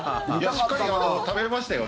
しっかり食べれましたよ